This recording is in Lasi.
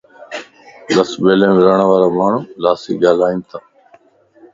لسبيلا مَ رھڻ وارا ماڻھو لاسي زبان ڳالھائينتا